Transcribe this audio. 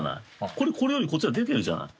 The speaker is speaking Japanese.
これこれよりこっちが出てるじゃない。